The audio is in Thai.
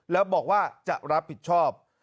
แล้วบอกว่าจะรับผิดชอบ